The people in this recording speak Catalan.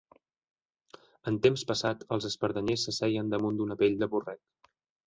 En temps passat els espardenyers s’asseien damunt d’una pell de borrec.